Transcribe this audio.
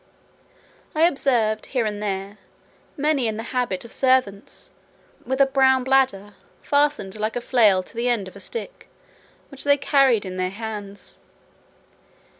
I observed, here and there, many in the habit of servants, with a blown bladder, fastened like a flail to the end of a stick, which they carried in their hands.